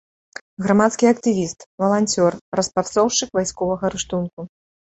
Грамадскі актывіст, валанцёр, распрацоўшчык вайсковага рыштунку.